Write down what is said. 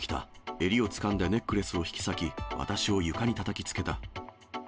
襟をつかんでネックレスを引き裂き、私を床にたたきつけた。